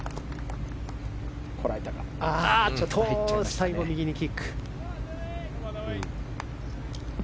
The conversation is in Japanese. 最後、右にキック。